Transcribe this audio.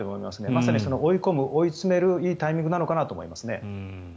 まさに追い詰めるいいタイミングなのかなと思います。